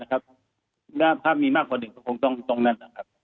ถ้ามีมากกว่าหนึ่งคงต้องบอกตรงนั้น